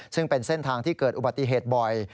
ซึ่งเป็นเส้นทางที่เกิดอุบัติเหตุบ่อย